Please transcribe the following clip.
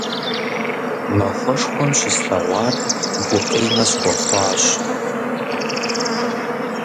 Махуэшхуэм щыслъэгъуар гукъинэ схуэхъуащ.